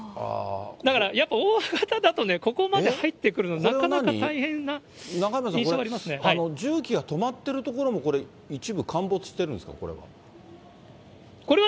だからやっぱ、大型だとここまで入ってくるの、中山さん、重機が止まってる所もこれ、一部陥没してるんですか、これは。